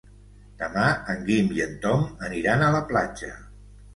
Demà en Guim i en Tom aniran a la platja.